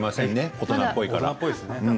大人っぽいですね。